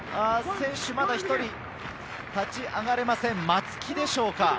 選手１人、立ち上がれません、松木でしょうか。